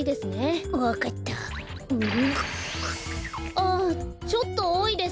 ああちょっとおおいです。